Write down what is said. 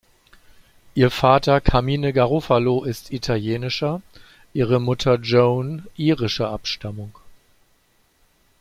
Ihr Vater Carmine Garofalo ist italienischer, ihre Mutter Joan irischer Abstammung.